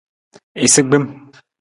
Isagbim.